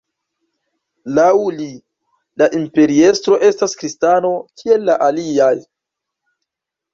Laŭ li, la imperiestro estas kristano kiel la aliaj.